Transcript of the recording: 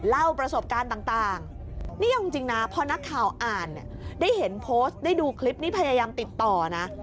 เล่าประสบการณ์ต่างนี่เอาจริงนะพอนักข่าวอ่านเนี่ยได้เห็นโพสต์ได้ดูคลิปนี้พยายามติดต่อนะ